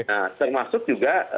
nah termasuk juga